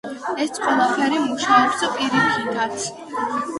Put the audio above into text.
ეს ყველაფერი მუშაობს პირიქითაც.